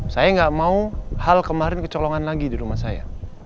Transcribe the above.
saya nggak mau hal kemarin kecolongan lagi di rumah saya